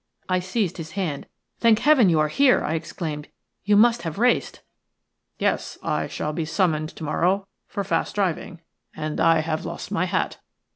I seized his hand. "Thank Heaven you are here!" I exclaimed. "You must have raced." "Yes, I shall be summoned to morrow for fast driving, and I have lost my hat.